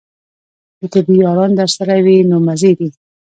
د طبې یاران درسره وي نو مزې دي.